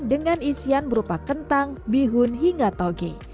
dengan isian berupa kentang bihun hingga toge